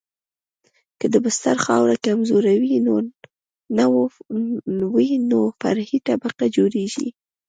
که د بستر خاوره کمزورې وي نو فرعي طبقه جوړیږي